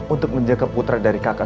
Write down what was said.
untuk menjaga putra dari kakak